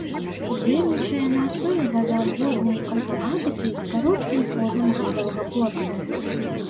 Дзейнічае на аснове газаадводнай аўтаматыкі з кароткім ходам газавага поршня.